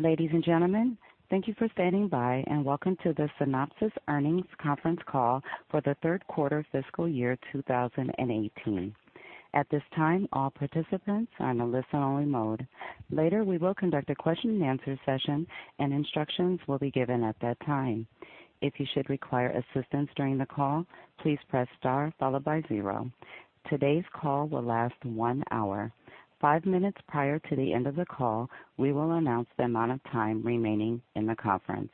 Ladies and gentlemen, thank you for standing by, and welcome to the Synopsys earnings conference call for the third quarter fiscal year 2018. At this time, all participants are in a listen-only mode. Later, we will conduct a question-and-answer session, and instructions will be given at that time. If you should require assistance during the call, please press star followed by zero. Today's call will last one hour. Five minutes prior to the end of the call, we will announce the amount of time remaining in the conference.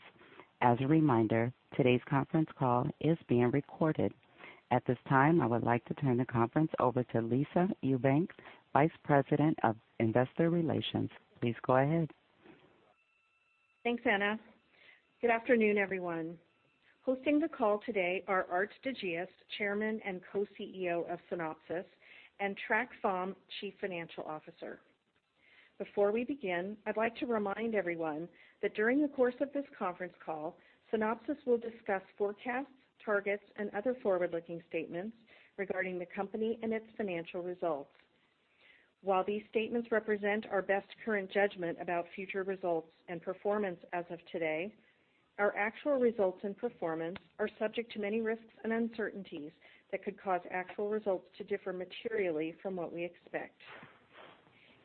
As a reminder, today's conference call is being recorded. At this time, I would like to turn the conference over to Lisa Ewbank, Vice President of Investor Relations. Please go ahead. Thanks, Anna. Good afternoon, everyone. Hosting the call today are Aart de Geus, Chairman and Co-CEO of Synopsys, and Trac Pham, Chief Financial Officer. Before we begin, I'd like to remind everyone that during the course of this conference call, Synopsys will discuss forecasts, targets, and other forward-looking statements regarding the company and its financial results. While these statements represent our best current judgment about future results and performance as of today, our actual results and performance are subject to many risks and uncertainties that could cause actual results to differ materially from what we expect.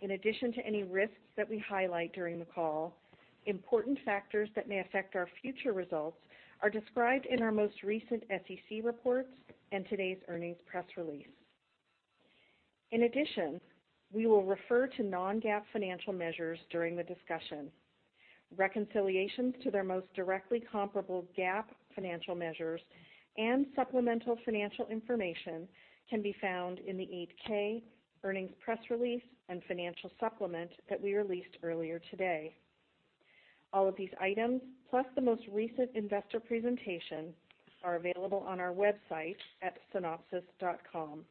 In addition to any risks that we highlight during the call, important factors that may affect our future results are described in our most recent SEC reports and today's earnings press release. We will refer to non-GAAP financial measures during the discussion. Reconciliations to their most directly comparable GAAP financial measures and supplemental financial information can be found in the 8-K earnings press release and financial supplement that we released earlier today. All of these items, plus the most recent investor presentation, are available on our website at synopsys.com.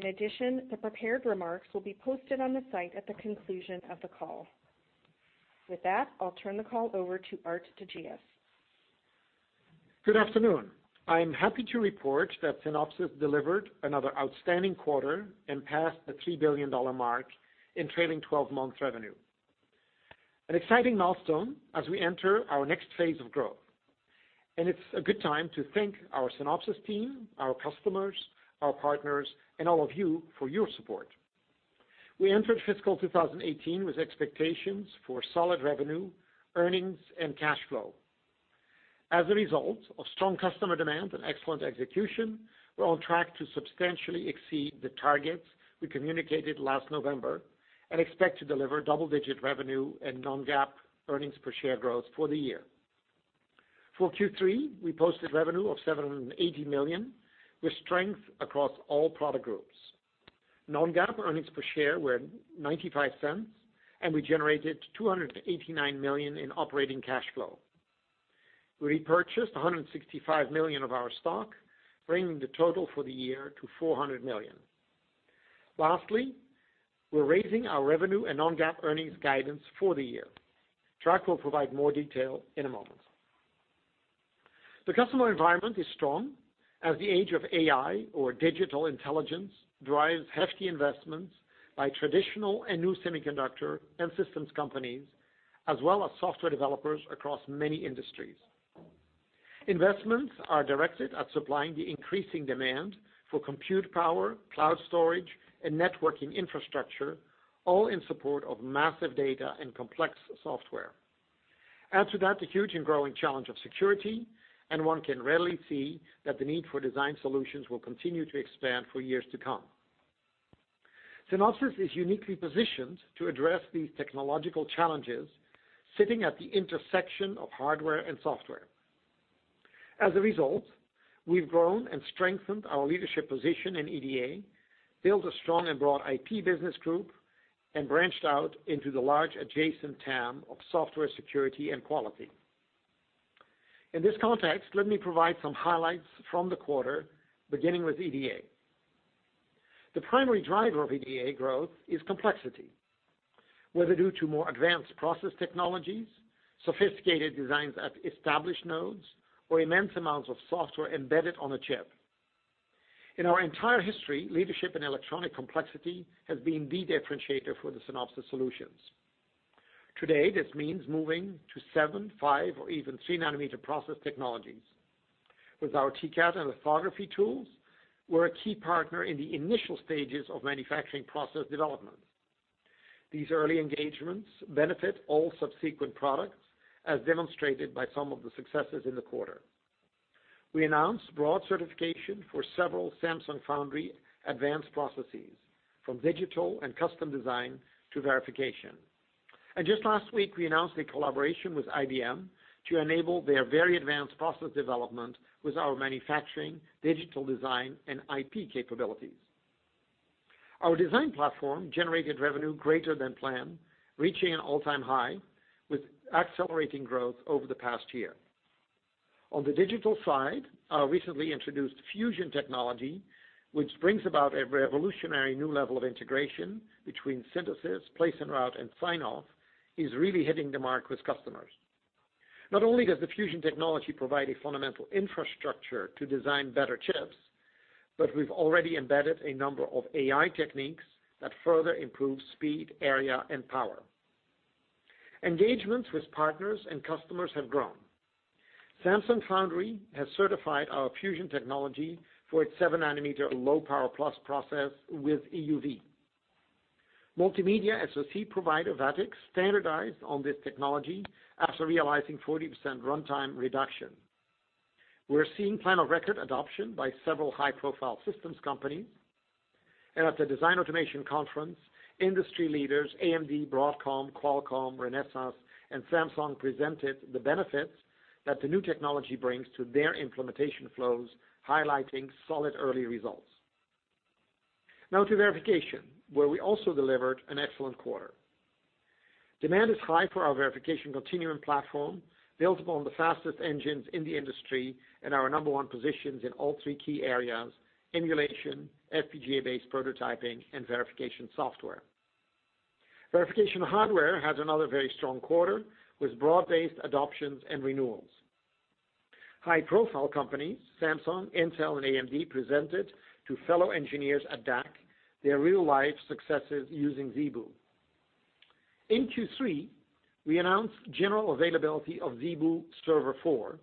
The prepared remarks will be posted on the site at the conclusion of the call. With that, I'll turn the call over to Aart de Geus. Good afternoon. I'm happy to report that Synopsys delivered another outstanding quarter and passed the $3 billion mark in trailing 12 months revenue. An exciting milestone as we enter our next phase of growth, and it's a good time to thank our Synopsys team, our customers, our partners, and all of you for your support. We entered fiscal 2018 with expectations for solid revenue, earnings, and cash flow. As a result of strong customer demand and excellent execution, we're on track to substantially exceed the targets we communicated last November and expect to deliver double-digit revenue and non-GAAP earnings per share growth for the year. For Q3, we posted revenue of $780 million, with strength across all product groups. Non-GAAP earnings per share were $0.95, and we generated $289 million in operating cash flow. We repurchased $165 million of our stock, bringing the total for the year to $400 million. Lastly, we're raising our revenue and non-GAAP earnings guidance for the year. Trac will provide more detail in a moment. The customer environment is strong as the age of AI, or digital intelligence, drives hefty investments by traditional and new semiconductor and systems companies, as well as software developers across many industries. Investments are directed at supplying the increasing demand for compute power, cloud storage, and networking infrastructure, all in support of massive data and complex software. Add to that the huge and growing challenge of security, and one can readily see that the need for design solutions will continue to expand for years to come. Synopsys is uniquely positioned to address these technological challenges, sitting at the intersection of hardware and software. As a result, we've grown and strengthened our leadership position in EDA, built a strong and broad IP business group, and branched out into the large adjacent TAM of software security and quality. In this context, let me provide some highlights from the quarter, beginning with EDA. The primary driver of EDA growth is complexity, whether due to more advanced process technologies, sophisticated designs at established nodes, or immense amounts of software embedded on a chip. In our entire history, leadership and electronic complexity has been the differentiator for the Synopsys solutions. Today, this means moving to seven, five, or even three-nanometer process technologies. With our TCAD and lithography tools, we're a key partner in the initial stages of manufacturing process development. These early engagements benefit all subsequent products, as demonstrated by some of the successes in the quarter. We announced broad certification for several Samsung Foundry advanced processes, from digital and custom design to verification. Just last week, we announced a collaboration with IBM to enable their very advanced process development with our manufacturing, digital design, and IP capabilities. Our design platform generated revenue greater than planned, reaching an all-time high, with accelerating growth over the past year. On the digital side, our recently introduced fusion technology, which brings about a revolutionary new level of integration between synthesis, place and route, and sign-off, is really hitting the mark with customers. Not only does the fusion technology provide a fundamental infrastructure to design better chips, but we've already embedded a number of AI techniques that further improve speed, area, and power. Engagements with partners and customers have grown. Samsung Foundry has certified our fusion technology for its seven nanometer low power plus process with EUV. Multimedia SoC provider Verisilicon standardized on this technology after realizing 40% runtime reduction. We're seeing plan of record adoption by several high-profile systems companies, and at the Design Automation Conference, industry leaders AMD, Broadcom, Qualcomm, Renesas, and Samsung presented the benefits that the new technology brings to their implementation flows, highlighting solid early results. Now to Verification, where we also delivered an excellent quarter. Demand is high for our Verification Continuum platform, built upon the fastest engines in the industry and our number one positions in all three key areas, emulation, FPGA-based prototyping, and verification software. Verification hardware has another very strong quarter with broad-based adoptions and renewals. High-profile companies Samsung, Intel, and AMD presented to fellow engineers at DAC their real-life successes using ZeBu. In Q3, we announced general availability of ZeBu Server 4,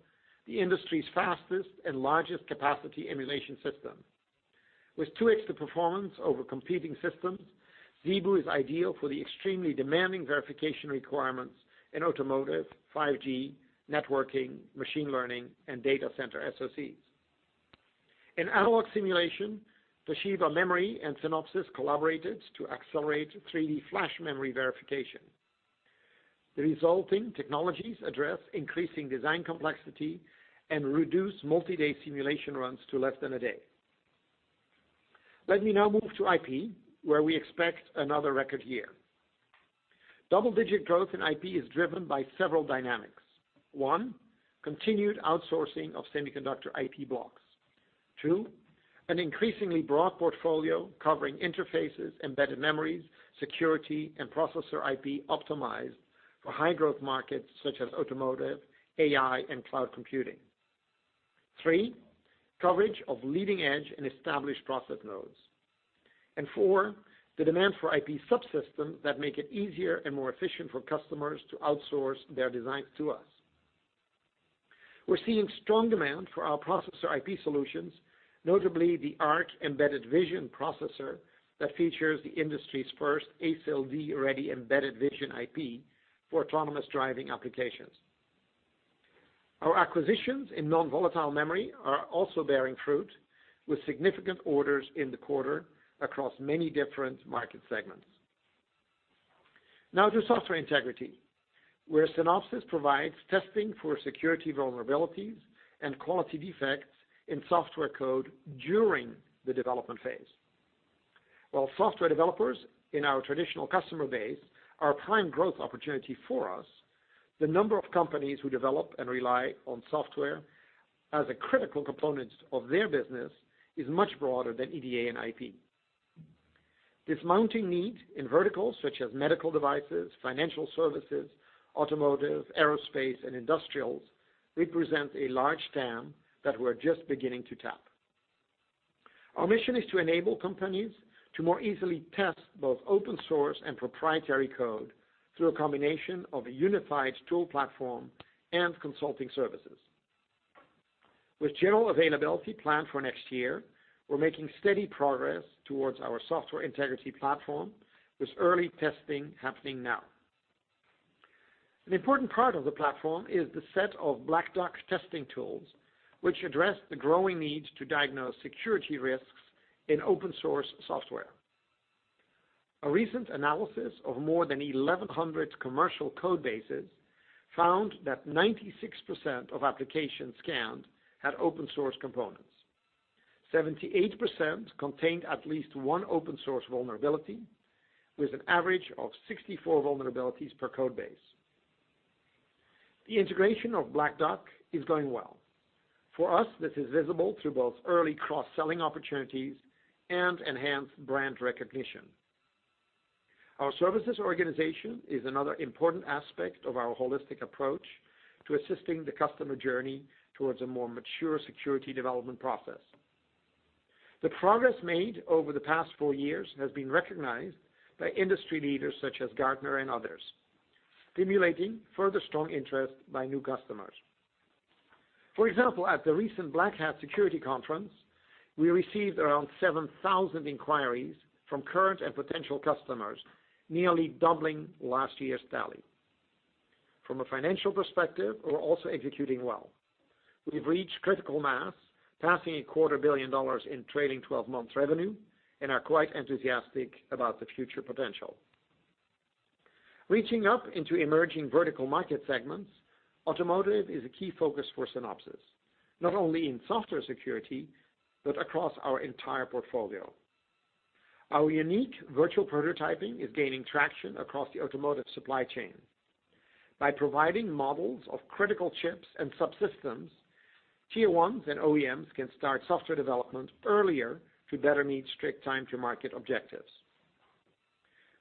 the industry's fastest and largest capacity emulation system. With two extra performance over competing systems, ZeBu is ideal for the extremely demanding verification requirements in automotive, 5G, networking, machine learning, and data center SoCs. In analog simulation, Toshiba Memory and Synopsys collaborated to accelerate 3D flash memory verification. The resulting technologies address increasing design complexity and reduce multi-day simulation runs to less than a day. Let me now move to IP, where we expect another record year. Double-digit growth in IP is driven by several dynamics. One, continued outsourcing of semiconductor IP blocks. Two, an increasingly broad portfolio covering interfaces, embedded memories, security, and processor IP optimized for high-growth markets such as automotive, AI, and cloud computing. Three, coverage of leading-edge and established process nodes. And four, the demand for IP subsystems that make it easier and more efficient for customers to outsource their designs to us. We're seeing strong demand for our processor IP solutions, notably the ARC embedded vision processor that features the industry's first ASIL D-ready embedded vision IP for autonomous driving applications. Our acquisitions in non-volatile memory are also bearing fruit, with significant orders in the quarter across many different market segments. Now to software integrity, where Synopsys provides testing for security vulnerabilities and quality defects in software code during the development phase. While software developers in our traditional customer base are a prime growth opportunity for us, the number of companies who develop and rely on software as a critical component of their business is much broader than EDA and IP. This mounting need in verticals such as medical devices, financial services, automotive, aerospace, and industrials represents a large TAM that we're just beginning to tap. Our mission is to enable companies to more easily test both open source and proprietary code through a combination of a unified tool platform and consulting services. With general availability planned for next year, we're making steady progress towards our software integrity platform, with early testing happening now. An important part of the platform is the set of Black Duck testing tools, which address the growing need to diagnose security risks in open source software. A recent analysis of more than 1,100 commercial code bases found that 96% of applications scanned had open source components. 78% contained at least one open source vulnerability, with an average of 64 vulnerabilities per code base. The integration of Black Duck is going well. For us, this is visible through both early cross-selling opportunities and enhanced brand recognition. Our services organization is another important aspect of our holistic approach to assisting the customer journey towards a more mature security development process. The progress made over the past four years has been recognized by industry leaders such as Gartner and others, stimulating further strong interest by new customers. For example, at the recent Black Hat security conference, we received around 7,000 inquiries from current and potential customers, nearly doubling last year's tally. From a financial perspective, we're also executing well. We've reached critical mass, passing a quarter billion dollars in trailing 12 months revenue and are quite enthusiastic about the future potential. Reaching up into emerging vertical market segments, automotive is a key focus for Synopsys, not only in software security, but across our entire portfolio. Our unique virtual prototyping is gaining traction across the automotive supply chain. By providing models of critical chips and subsystems, tier 1 and OEMs can start software development earlier to better meet strict time-to-market objectives.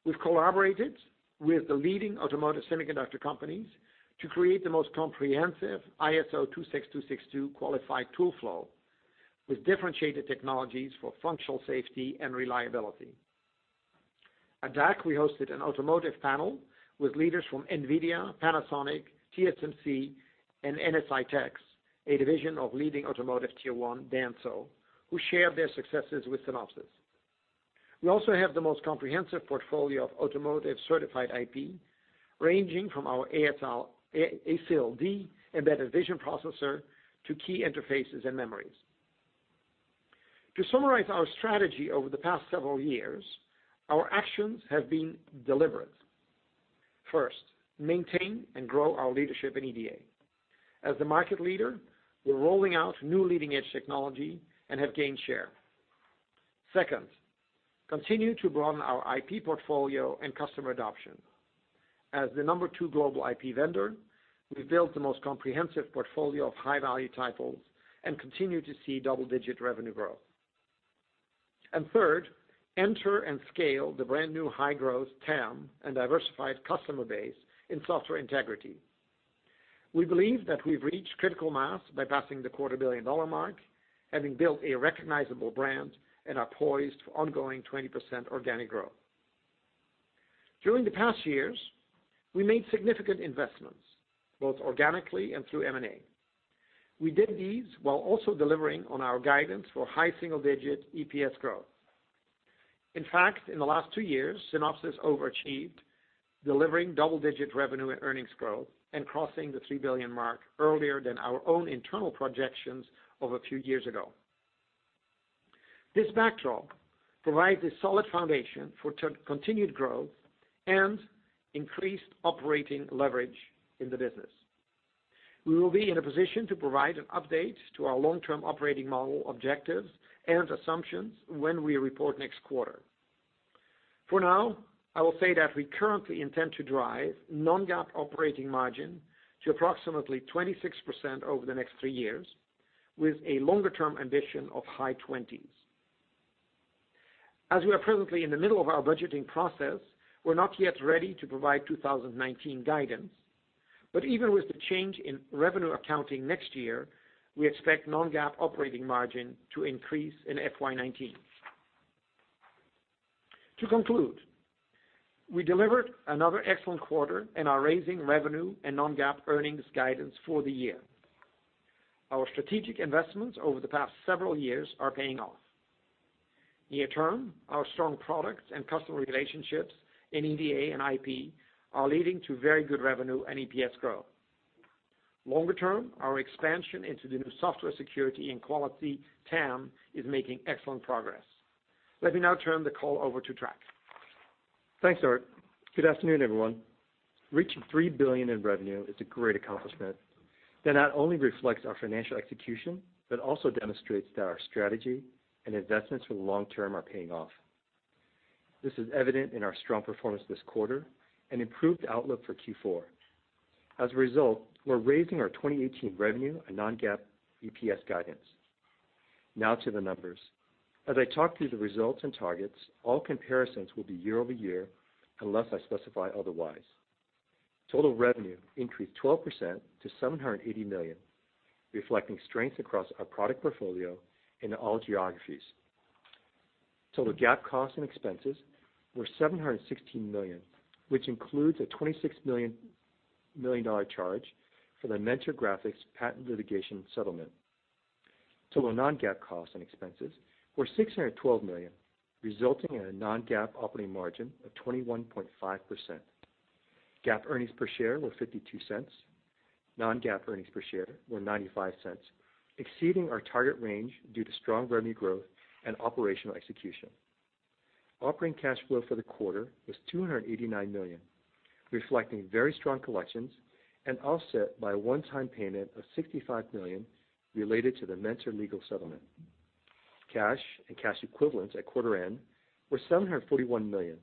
We've collaborated with the leading automotive semiconductor companies to create the most comprehensive ISO 26262 qualified tool flow with differentiated technologies for functional safety and reliability. At DAC, we hosted an automotive panel with leaders from NVIDIA, Panasonic, TSMC, and NSITEXE, a division of leading automotive tier 1, Denso, who share their successes with Synopsys. We also have the most comprehensive portfolio of automotive certified IP, ranging from our ASIL D embedded vision processor to key interfaces and memories. To summarize our strategy over the past several years, our actions have been deliberate. First, maintain and grow our leadership in EDA. As the market leader, we're rolling out new leading-edge technology and have gained share. Second, continue to broaden our IP portfolio and customer adoption. As the number 2 global IP vendor, we've built the most comprehensive portfolio of high-value titles and continue to see double-digit revenue growth. Third, enter and scale the brand-new high-growth TAM and diversified customer base in software integrity. We believe that we've reached critical mass by passing the quarter billion dollar mark, having built a recognizable brand and are poised for ongoing 20% organic growth. During the past years, we made significant investments, both organically and through M&A. We did these while also delivering on our guidance for high single-digit EPS growth. In fact, in the last two years, Synopsys overachieved, delivering double-digit revenue and earnings growth and crossing the $3 billion mark earlier than our own internal projections of a few years ago. This backdrop provides a solid foundation for continued growth and increased operating leverage in the business. We will be in a position to provide an update to our long-term operating model objectives and assumptions when we report next quarter. For now, I will say that we currently intend to drive non-GAAP operating margin to approximately 26% over the next three years, with a longer-term ambition of high 20s. As we are presently in the middle of our budgeting process, we're not yet ready to provide 2019 guidance. Even with the change in revenue accounting next year, we expect non-GAAP operating margin to increase in FY 2019. To conclude, we delivered another excellent quarter and are raising revenue and non-GAAP earnings guidance for the year. Our strategic investments over the past several years are paying off. Near term, our strong products and customer relationships in EDA and IP are leading to very good revenue and EPS growth. Longer term, our expansion into the new software security and quality TAM is making excellent progress. Let me now turn the call over to Trac. Thanks, Aart. Good afternoon, everyone. Reaching $3 billion in revenue is a great accomplishment that not only reflects our financial execution but also demonstrates that our strategy and investments for the long term are paying off. This is evident in our strong performance this quarter and improved outlook for Q4. As a result, we're raising our 2018 revenue and non-GAAP EPS guidance. Now to the numbers. As I talk through the results and targets, all comparisons will be year over year unless I specify otherwise. Total revenue increased 12% to $780 million, reflecting strength across our product portfolio into all geographies. Total GAAP costs and expenses were $716 million, which includes a $26 million charge for the Mentor Graphics patent litigation settlement. Total non-GAAP costs and expenses were $612 million, resulting in a non-GAAP operating margin of 21.5%. GAAP earnings per share were $0.52. Non-GAAP earnings per share were $0.95, exceeding our target range due to strong revenue growth and operational execution. Operating cash flow for the quarter was $289 million, reflecting very strong collections and offset by a one-time payment of $65 million related to the Mentor legal settlement. Cash and cash equivalents at quarter end were $741 million,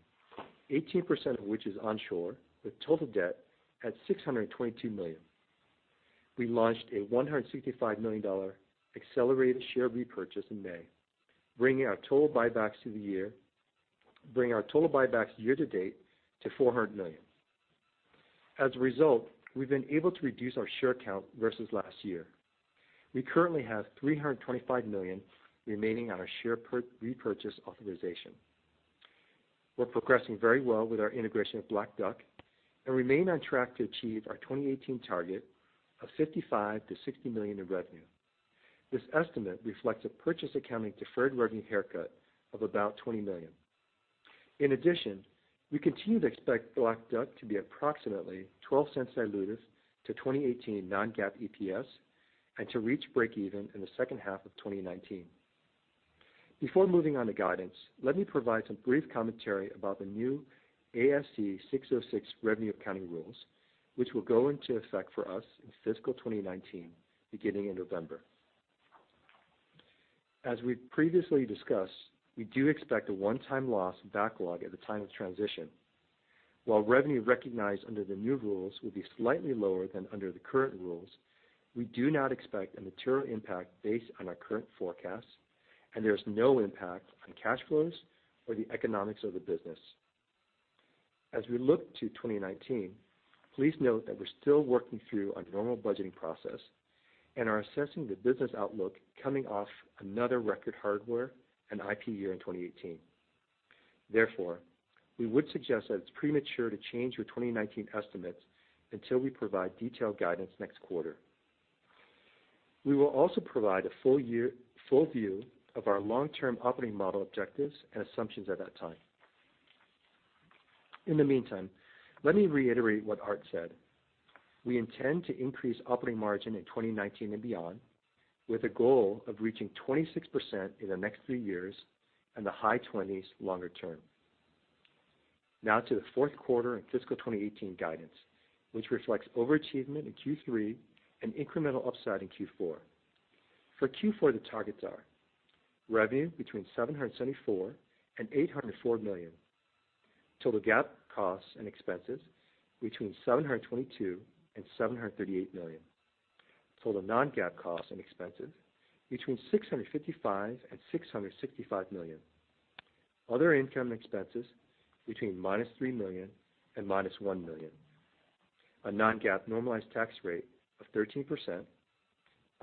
18% of which is onshore, with total debt at $622 million. We launched a $165 million accelerated share repurchase in May, bringing our total buybacks year to date to $400 million. As a result, we've been able to reduce our share count versus last year. We currently have $325 million remaining on our share repurchase authorization. We're progressing very well with our integration of Black Duck and remain on track to achieve our 2018 target of $55 million-$60 million in revenue. This estimate reflects a purchase accounting deferred revenue haircut of about $20 million. In addition, we continue to expect Black Duck to be approximately $0.12 dilutive to 2018 non-GAAP EPS and to reach break even in the second half of 2019. Before moving on to guidance, let me provide some brief commentary about the new ASC 606 revenue accounting rules, which will go into effect for us in fiscal 2019, beginning in November. As we previously discussed, we do expect a one-time loss backlog at the time of transition. While revenue recognized under the new rules will be slightly lower than under the current rules, we do not expect a material impact based on our current forecast, and there is no impact on cash flows or the economics of the business. As we look to 2019, please note that we're still working through our normal budgeting process and are assessing the business outlook coming off another record hardware and IP year in 2018. Therefore, we would suggest that it's premature to change your 2019 estimates until we provide detailed guidance next quarter. We will also provide a full view of our long-term operating model objectives and assumptions at that time. In the meantime, let me reiterate what Aart said. We intend to increase operating margin in 2019 and beyond, with a goal of reaching 26% in the next three years and the high 20s longer term. Now to the fourth quarter and fiscal 2018 guidance, which reflects overachievement in Q3 and incremental upside in Q4. For Q4, the targets are revenue between $774 million and $804 million, total GAAP costs and expenses between $722 million and $738 million, total non-GAAP costs and expenses between $655 million and $665 million, other income expenses between -$3 million and -$1 million, a non-GAAP normalized tax rate of 13%,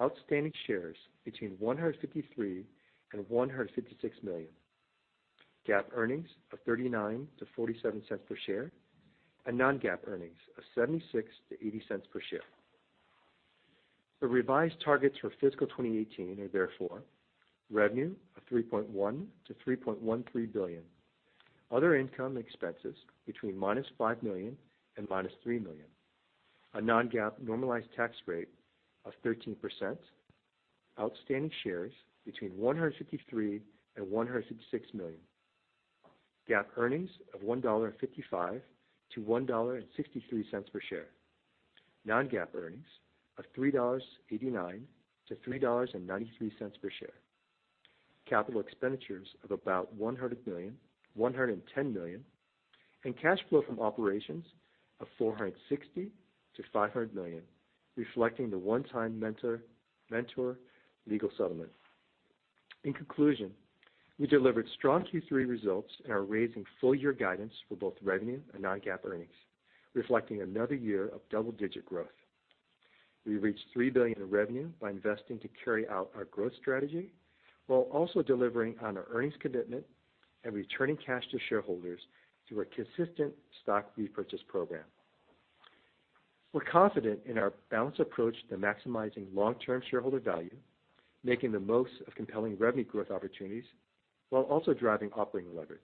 outstanding shares between 153 million and 156 million, GAAP earnings of $0.39-$0.47 per share, and non-GAAP earnings of $0.76-$0.80 per share. The revised targets for fiscal 2018 are therefore revenue of $3.1 billion-$3.13 billion, other income expenses between -$5 million and -$3 million, a non-GAAP normalized tax rate of 13%, outstanding shares between 153 million and 156 million, GAAP earnings of $1.55-$1.63 per share, non-GAAP earnings of $3.89-$3.93 per share, capital expenditures of about $100 million, $110 million, and cash flow from operations of $460 million-$500 million, reflecting the one-time Mentor legal settlement. We delivered strong Q3 results and are raising full-year guidance for both revenue and non-GAAP earnings, reflecting another year of double-digit growth. We reached $3 billion in revenue by investing to carry out our growth strategy while also delivering on our earnings commitment and returning cash to shareholders through a consistent stock repurchase program. We're confident in our balanced approach to maximizing long-term shareholder value, making the most of compelling revenue growth opportunities while also driving operating leverage.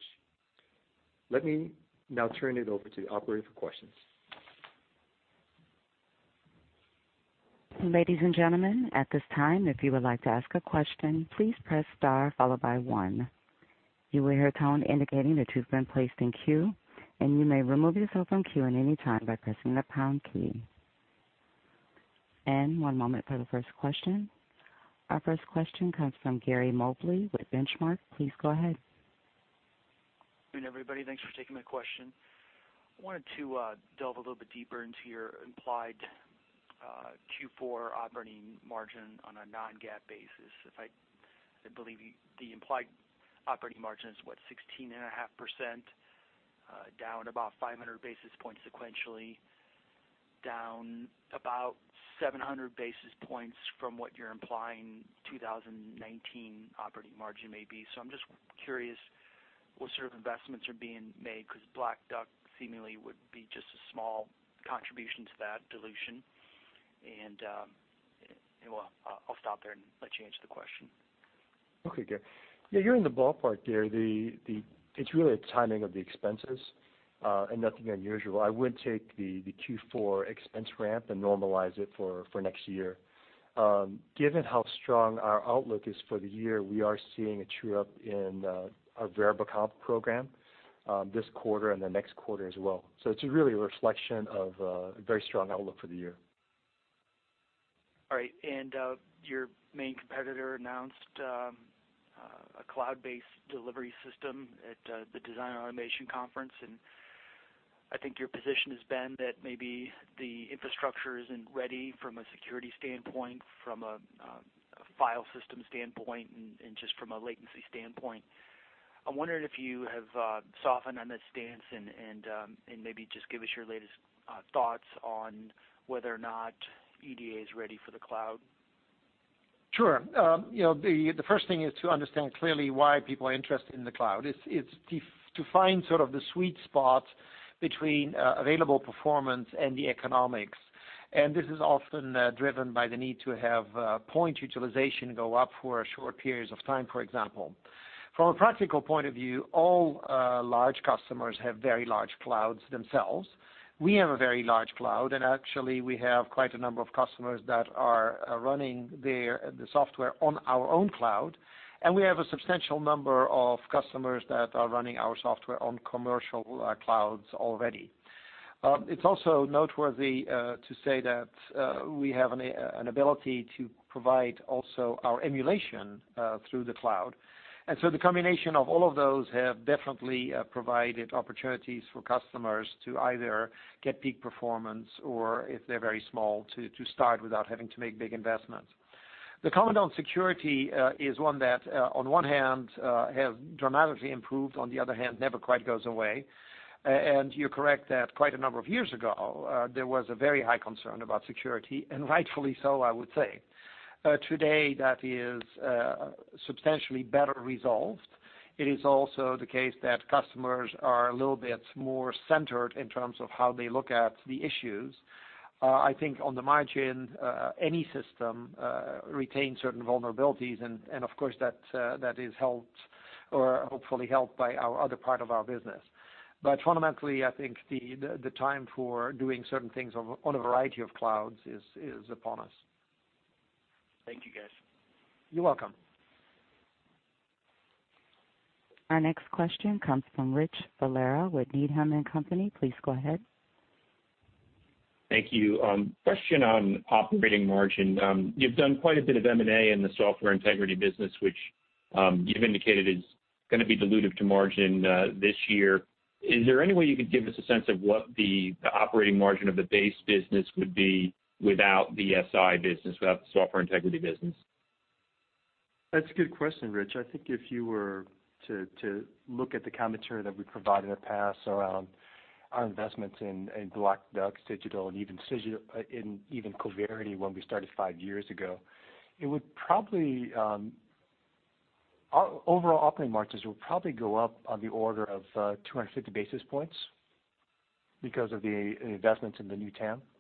Let me now turn it over to the operator for questions. Ladies and gentlemen, at this time, if you would like to ask a question, please press star followed by one. You will hear a tone indicating that you've been placed in queue, and you may remove yourself from queue at any time by pressing the pound key. One moment for the first question. Our first question comes from Gary Mobley with Benchmark. Please go ahead. Good everybody, thanks for taking my question. I wanted to delve a little bit deeper into your implied Q4 operating margin on a non-GAAP basis. I believe the implied operating margin is, what, 16.5% down about 500 basis points sequentially, down about 700 basis points from what you're implying 2019 operating margin may be. I'm just curious what sort of investments are being made, because Black Duck seemingly would be just a small contribution to that dilution. Well, I'll stop there and let you answer the question. Okay, Gary. Yeah, you're in the ballpark, Gary. It's really a timing of the expenses and nothing unusual. I would take the Q4 expense ramp and normalize it for next year. Given how strong our outlook is for the year, we are seeing a true-up in our variable comp program this quarter and the next quarter as well. It's really a reflection of a very strong outlook for the year. All right. Your main competitor announced a cloud-based delivery system at the Design Automation Conference, and I think your position has been that maybe the infrastructure isn't ready from a security standpoint, from a file system standpoint, and just from a latency standpoint. I'm wondering if you have softened on this stance and maybe just give us your latest thoughts on whether or not EDA is ready for the cloud. Sure. The first thing is to understand clearly why people are interested in the cloud. It's to find sort of the sweet spot between available performance and the economics. This is often driven by the need to have point utilization go up for short periods of time, for example. From a practical point of view, all large customers have very large clouds themselves. We have a very large cloud, and actually, we have quite a number of customers that are running the software on our own cloud, and we have a substantial number of customers that are running our software on commercial clouds already. It's also noteworthy to say that we have an ability to provide also our emulation through the cloud. The combination of all of those have definitely provided opportunities for customers to either get peak performance or, if they're very small, to start without having to make big investments. The comment on security is one that on one hand, has dramatically improved, on the other hand, never quite goes away. You're correct that quite a number of years ago, there was a very high concern about security, and rightfully so, I would say. Today, that is substantially better resolved. It is also the case that customers are a little bit more centered in terms of how they look at the issues. I think on the margin, any system retains certain vulnerabilities and of course, that is helped or hopefully helped by our other part of our business. Fundamentally, I think the time for doing certain things on a variety of clouds is upon us. Thank you, guys. You're welcome. Our next question comes from Richard Valera with Needham & Company. Please go ahead. Thank you. Question on operating margin. You've done quite a bit of M&A in the software integrity business, which you've indicated is going to be dilutive to margin this year. Is there any way you could give us a sense of what the operating margin of the base business would be without the SI business, without the software integrity business? That's a good question, Rich. I think if you were to look at the commentary that we provided in the past around our investments in Black Duck, Cigital, and even Coverity when we started five years ago, overall operating margins will probably go up on the order of 250 basis points because of the investments in the new TAM. Yeah, if I can add to that.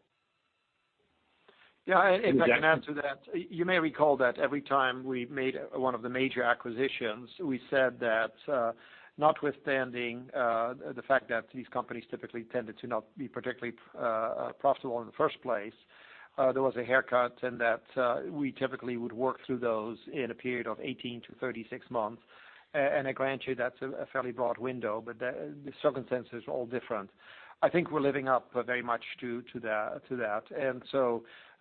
You may recall that every time we made one of the major acquisitions, we said that notwithstanding the fact that these companies typically tended to not be particularly profitable in the first place, there was a haircut and that we typically would work through those in a period of 18 to 36 months. I grant you, that's a fairly broad window, the circumstances are all different. I think we're living up very much to that.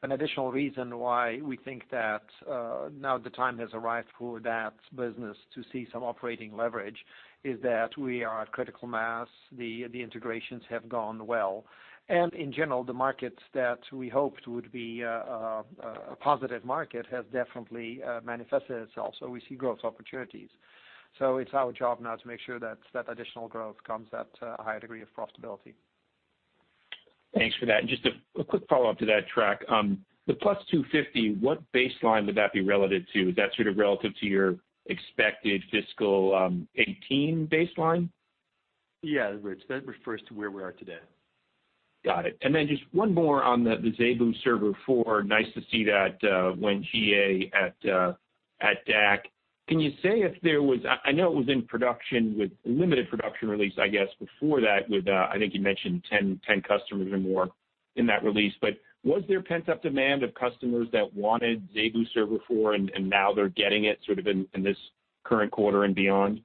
An additional reason why we think that now the time has arrived for that business to see some operating leverage is that we are at critical mass. The integrations have gone well. In general, the markets that we hoped would be a positive market has definitely manifested itself. We see growth opportunities. It's our job now to make sure that additional growth comes at a higher degree of profitability. Thanks for that. Just a quick follow-up to that, Trac. The +250, what baseline would that be relative to? Is that sort of relative to your expected fiscal 2018 baseline? Yeah, Rich, that refers to where we are today. Got it. Just one more on the ZeBu Server 4. Nice to see that went GA at DAC. I know it was in production with limited production release, I guess, before that with, I think you mentioned 10 customers or more in that release. Was there pent-up demand of customers that wanted ZeBu Server 4, and now they're getting it sort of in this current quarter and beyond?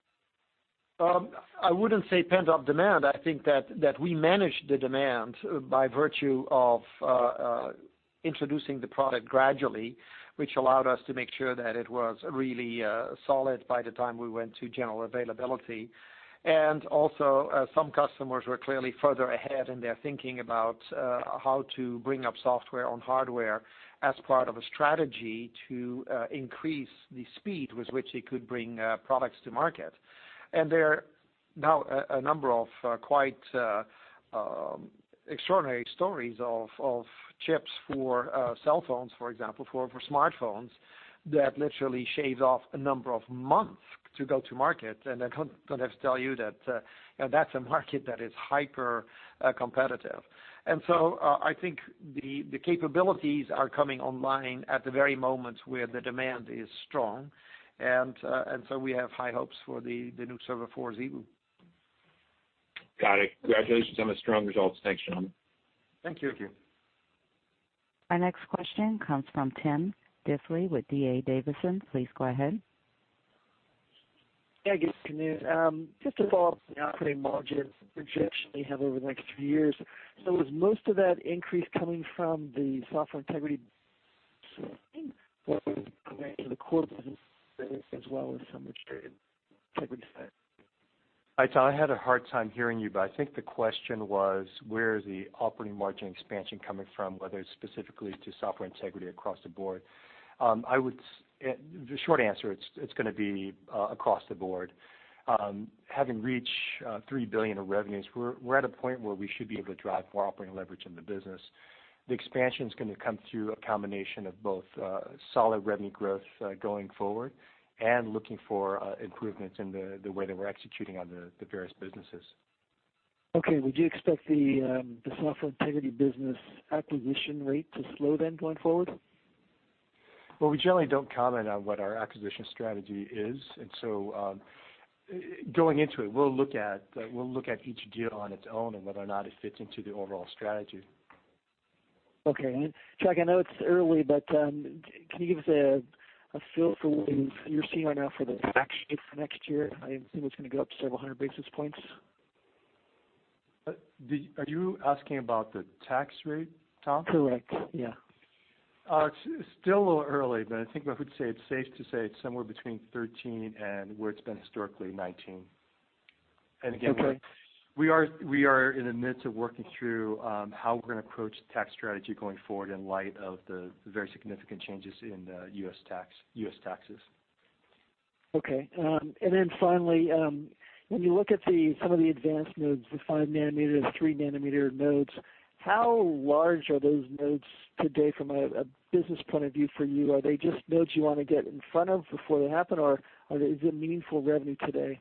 I wouldn't say pent-up demand. I think that we managed the demand by virtue of introducing the product gradually, which allowed us to make sure that it was really solid by the time we went to general availability. Also, some customers were clearly further ahead in their thinking about how to bring up software on hardware as part of a strategy to increase the speed with which they could bring products to market. There are now a number of quite extraordinary stories of chips for cell phones, for example, for smartphones, that literally shaves off a number of months to go to market. I don't have to tell you that that's a market that is hyper-competitive. I think the capabilities are coming online at the very moment where the demand is strong. We have high hopes for the new Server 4 ZeBu. Got it. Congratulations on the strong results. Thanks, John. Thank you. Thank you. Our next question comes from Tom Diffely with D.A. Davidson. Please go ahead. Yeah, good afternoon. Just to follow up on the operating margin projection that you have over the next few years, was most of that increase coming from the Software Integrity side? Or was it coming from the core business as well as from the Integrity side? I had a hard time hearing you, but I think the question was where is the operating margin expansion coming from, whether it's specifically to Software Integrity across the board. The short answer. It's going to be across the board. Having reached $3 billion of revenues, we're at a point where we should be able to drive more operating leverage in the business. The expansion is going to come through a combination of both solid revenue growth going forward and looking for improvements in the way that we're executing on the various businesses. Okay. Would you expect the Software Integrity business acquisition rate to slow going forward? Well, we generally don't comment on what our acquisition strategy is, so going into it, we'll look at each deal on its own and whether or not it fits into the overall strategy. Okay. Trac, I know it's early, but can you give us a feel for what you're seeing right now for the tax rate for next year? I assume it's going to go up several hundred basis points. Are you asking about the tax rate, Tom? Correct. Yeah. It's still a little early, I think I would say it's safe to say it's somewhere between 13% and where it's been historically, 19%. Okay. Again, we are in the midst of working through how we're going to approach the tax strategy going forward in light of the very significant changes in the U.S. taxes. Okay. Finally, when you look at some of the advanced nodes, the 5 nanometer, 3 nanometer nodes, how large are those nodes today from a business point of view for you? Are they just nodes you want to get in front of before they happen, or is it meaningful revenue today?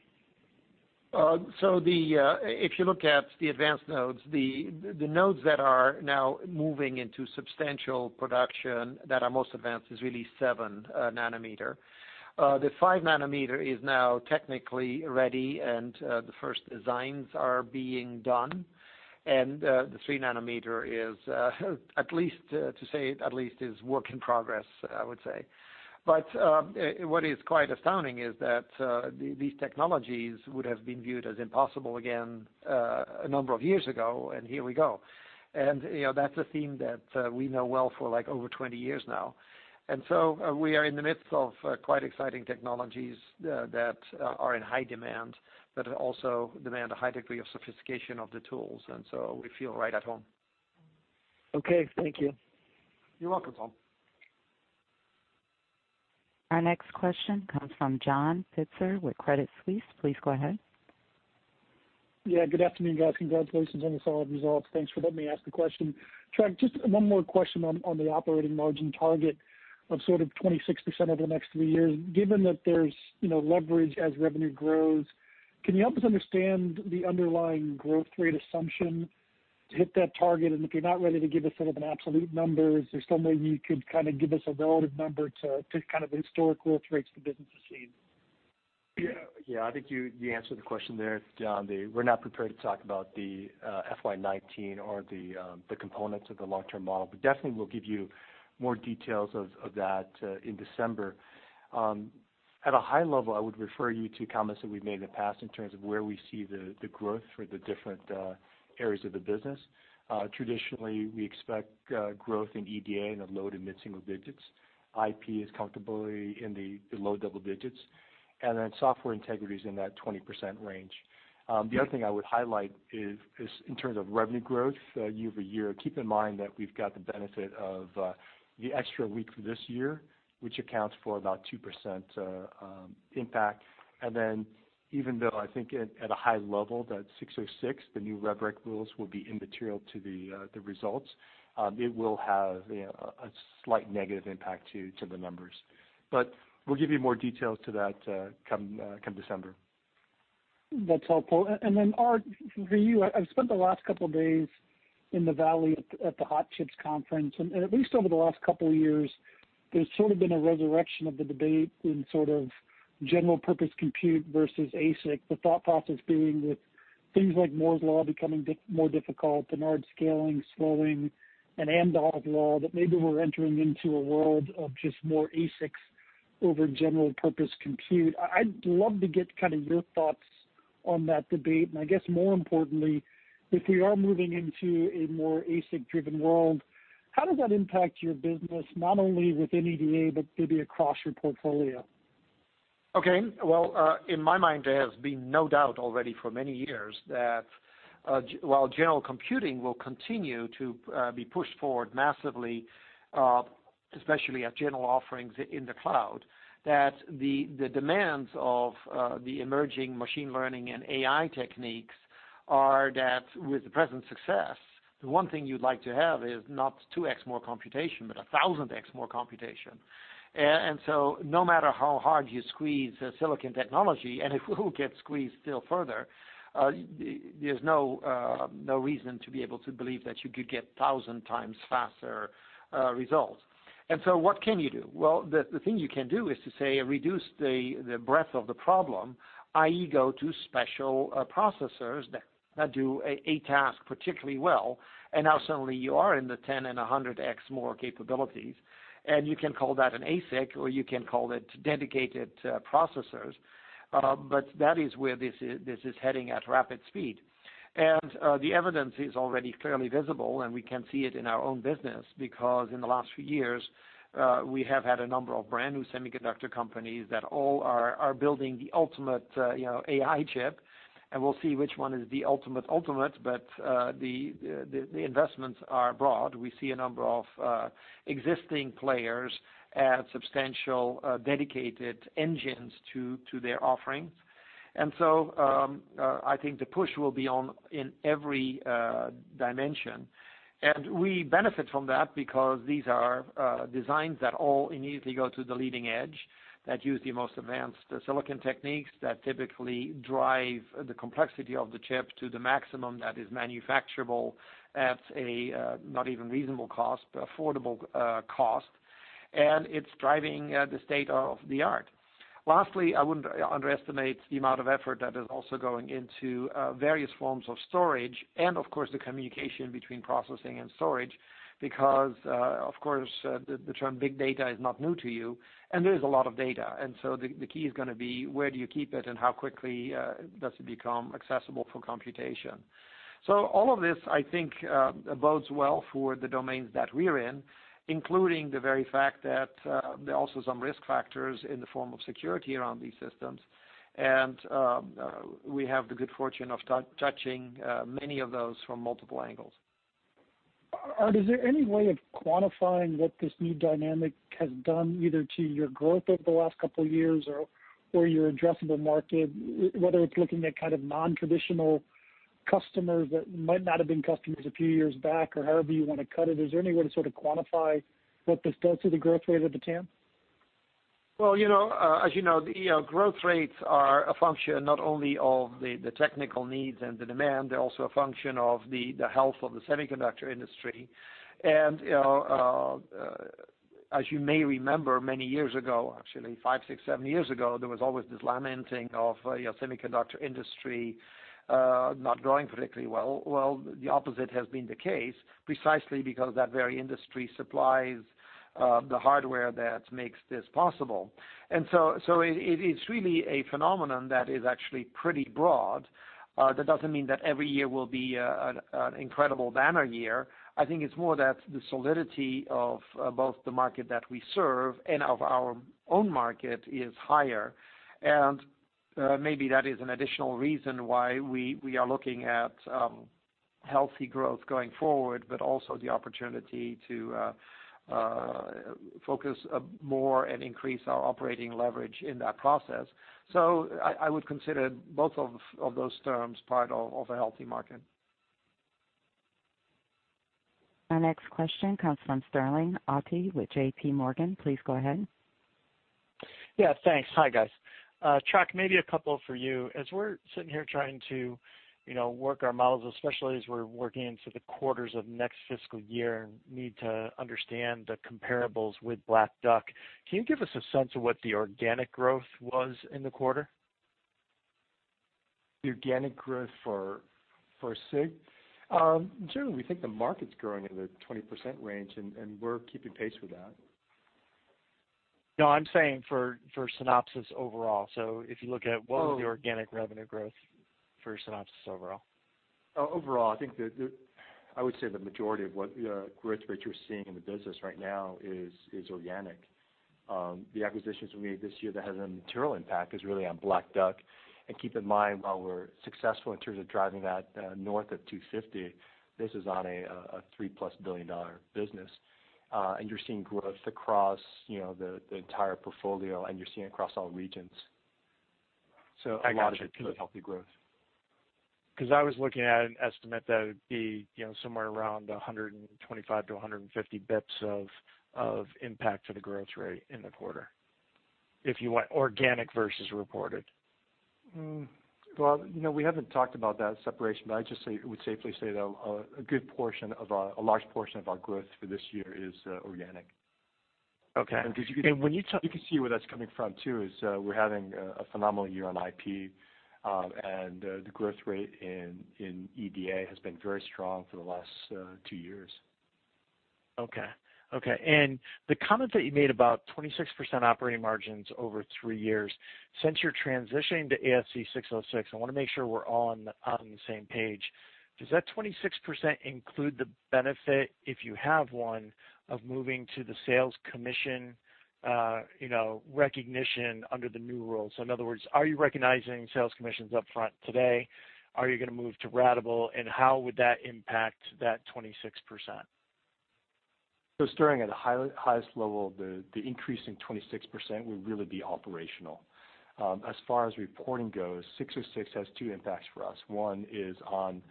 If you look at the advanced nodes, the nodes that are now moving into substantial production that are most advanced is really 7 nanometer. The 5 nanometer is now technically ready, the first designs are being done. The 3 nanometer is, at least to say, at least is work in progress, I would say. What is quite astounding is that these technologies would have been viewed as impossible again a number of years ago, here we go. That's a theme that we know well for over 20 years now. We are in the midst of quite exciting technologies that are in high demand, that also demand a high degree of sophistication of the tools, we feel right at home. Okay. Thank you. You're welcome, Tom. Our next question comes from John Pitzer with Credit Suisse. Please go ahead. Yeah, good afternoon, guys. Congratulations on the solid results. Thanks for letting me ask a question. Trac, just one more question on the operating margin target of sort of 26% over the next three years. Given that there's leverage as revenue grows, can you help us understand the underlying growth rate assumption to hit that target? If you're not ready to give us sort of an absolute number, is there some way you could kind of give us a relative number to kind of the historic growth rates the business has seen? Yeah. I think you answered the question there, John. We're not prepared to talk about the FY 2019 or the components of the long-term model, but definitely we'll give you more details of that in December. At a high level, I would refer you to comments that we've made in the past in terms of where we see the growth for the different areas of the business. Traditionally, we expect growth in EDA in the low- to mid-single digits. IP is comfortably in the low double digits, and software integrity is in that 20% range. The other thing I would highlight is in terms of revenue growth year-over-year, keep in mind that we've got the benefit of the extra week this year, which accounts for about 2% impact. Even though I think at a high level, that 606, the new rev rec rules will be immaterial to the results, it will have a slight negative impact to the numbers. We'll give you more details to that come December. That's helpful. Aart, for you, I've spent the last couple of days in the Valley at the Hot Chips conference, and at least over the last couple of years, there's sort of been a resurrection of the debate in sort of general purpose compute versus ASIC. The thought process being with things like Moore's law becoming more difficult and hard scaling, slowing, and Amdahl's law, that maybe we're entering into a world of just more ASICs over general purpose compute. I'd love to get kind of your thoughts on that debate, and I guess more importantly, if we are moving into a more ASIC-driven world, how does that impact your business, not only within EDA, but maybe across your portfolio? Okay. Well, in my mind, there has been no doubt already for many years that while general computing will continue to be pushed forward massively, especially at general offerings in the cloud, that the demands of the emerging machine learning and AI techniques are that with the present success, the one thing you'd like to have is not 2X more computation, but 1,000X more computation. No matter how hard you squeeze silicon technology, and it will get squeezed still further, there's no reason to be able to believe that you could get 1,000 times faster results. What can you do? The thing you can do is to say, reduce the breadth of the problem, i.e., go to special processors that do a task particularly well, and now suddenly you are in the 10X and 100X more capabilities, and you can call that an ASIC, or you can call it dedicated processors. That is where this is heading at rapid speed. The evidence is already clearly visible, and we can see it in our own business, because in the last few years, we have had a number of brand-new semiconductor companies that all are building the ultimate AI chip, and we'll see which one is the ultimate, but the investments are broad. We see a number of existing players add substantial dedicated engines to their offerings. I think the push will be on in every dimension. We benefit from that because these are designs that all immediately go to the leading edge, that use the most advanced silicon techniques that typically drive the complexity of the chip to the maximum that is manufacturable at a not even reasonable cost, but affordable cost. It's driving the state of the art. Lastly, I wouldn't underestimate the amount of effort that is also going into various forms of storage and, of course, the communication between processing and storage because, of course, the term big data is not new to you, and there is a lot of data. The key is going to be where do you keep it and how quickly does it become accessible for computation. All of this, I think, bodes well for the domains that we're in, including the very fact that there are also some risk factors in the form of security around these systems. We have the good fortune of touching many of those from multiple angles. Aart, is there any way of quantifying what this new dynamic has done either to your growth over the last couple of years or your addressable market, whether it's looking at kind of nontraditional customers that might not have been customers a few years back or however you want to cut it? Is there any way to sort of quantify what this does to the growth rate of the TAM? As you know, growth rates are a function not only of the technical needs and the demand, they're also a function of the health of the semiconductor industry. As you may remember, many years ago, actually five, six, seven years ago, there was always this lamenting of semiconductor industry not growing particularly well. The opposite has been the case, precisely because that very industry supplies the hardware that makes this possible. It's really a phenomenon that is actually pretty broad. That doesn't mean that every year will be an incredible banner year. I think it's more that the solidity of both the market that we serve and of our own market is higher. Maybe that is an additional reason why we are looking at healthy growth going forward, but also the opportunity to focus more and increase our operating leverage in that process. I would consider both of those terms part of a healthy market. Our next question comes from Sterling Auty with J.P. Morgan. Please go ahead. Yeah, thanks. Hi, guys. Trac, maybe a couple for you. As we're sitting here trying to work our models, especially as we're working into the quarters of next fiscal year and need to understand the comparables with Black Duck, can you give us a sense of what the organic growth was in the quarter? The organic growth for SIG? Generally, we think the market's growing in the 20% range, and we're keeping pace with that. No, I'm saying for Synopsys overall. If you look at what was the organic revenue growth for Synopsys overall. Overall, I think I would say the majority of what growth rate you're seeing in the business right now is organic. The acquisitions we made this year that has a material impact is really on Black Duck. Keep in mind, while we're successful in terms of driving that north of 250, this is on a $3-plus billion business. You're seeing growth across the entire portfolio, and you're seeing across all regions. A lot of it is healthy growth. I was looking at an estimate that it would be somewhere around 125 basis points-150 basis points of impact to the growth rate in the quarter, if you went organic versus reported. Well, we haven't talked about that separation, but I just would safely say, though, a large portion of our growth for this year is organic. Okay. You can see where that's coming from, too, is we're having a phenomenal year on IP, and the growth rate in EDA has been very strong for the last two years. Okay. The comment that you made about 26% operating margins over three years, since you're transitioning to ASC 606, I want to make sure we're all on the same page. Does that 26% include the benefit, if you have one, of moving to the sales commission recognition under the new rules? In other words, are you recognizing sales commissions up front today? Are you going to move to ratable? How would that impact that 26%? Starting at the highest level, the increase in 26% would really be operational. As far as reporting goes, 606 has two impacts for us. One is on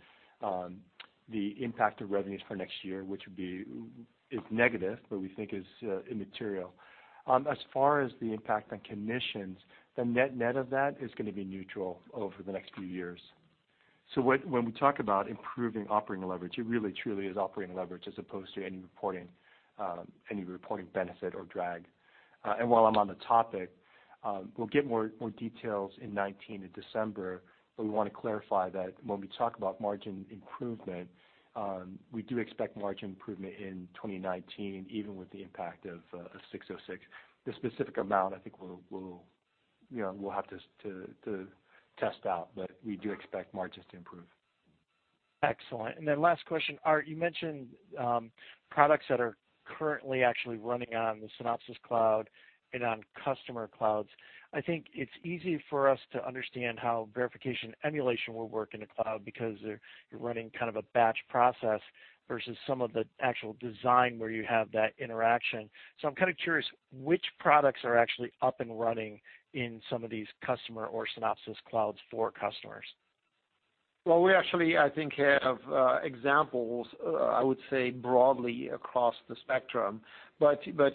the impact of revenues for next year, which is negative, but we think is immaterial. As far as the impact on commissions, the net of that is going to be neutral over the next few years. When we talk about improving operating leverage, it really truly is operating leverage as opposed to any reporting benefit or drag. While I'm on the topic, we'll get more details in 2019 in December, but we want to clarify that when we talk about margin improvement, we do expect margin improvement in 2019, even with the impact of 606. The specific amount, I think, we'll have to test out, but we do expect margins to improve. Excellent. Last question, Aart, you mentioned products that are currently actually running on the Synopsys Cloud and on customer clouds. I think it's easy for us to understand how verification emulation will work in the cloud because you're running kind of a batch process versus some of the actual design where you have that interaction. I'm kind of curious which products are actually up and running in some of these customer or Synopsys clouds for customers? Well, we actually, I think, have examples, I would say, broadly across the spectrum.